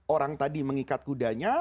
orang tadi mengikat kudanya